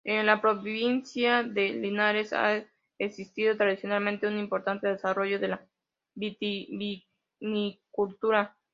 En la provincia de Linares, ha existido, tradicionalmente, un importante desarrollo de la vitivinicultura.